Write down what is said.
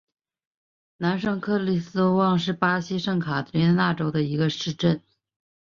南圣克里斯托旺是巴西圣卡塔琳娜州的一个市镇。